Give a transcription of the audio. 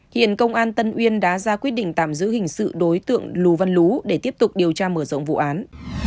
hiện công an tân uyên đã ra quyết định tạm giữ hình sự đối tượng lù văn lún để tiếp tục điều tra mở rộng vụ án